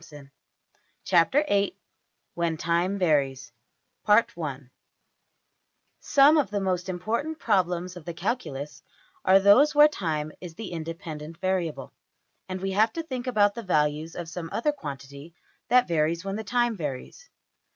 png}% \Chapter{VIII}{When Time Varies} \First{Some} of the most important problems of the calculus are those where time is the independent variable, and we have to think about the values of some other quantity that varies when the time varies.